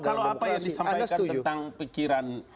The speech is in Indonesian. kalau apa yang disampaikan tentang pikiran